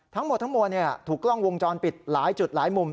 ทั้งหมดทั้งมวลถูกกล้องวงจรปิดหลายจุดหลายมุม